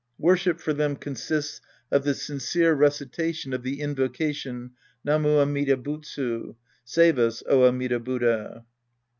Worship for them consists of the sincere recitation of the invocation Namu Amida Butsu, " Save us, oh Amida •Buddha!"'